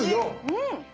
うん。